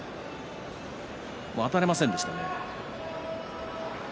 もうあたれませんでしたね。